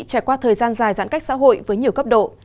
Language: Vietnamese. trải qua thời gian dài giãn cách xã hội với nhiều cấp độ